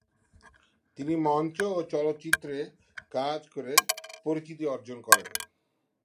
তিনি মঞ্চ ও চলচ্চিত্রে কাজ করে পরিচিতি অর্জন করেন।